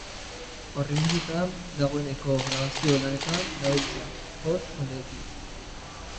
Horren hitzetan, dagoeneko grabazio-lanetan dabiltza bost taldekideak.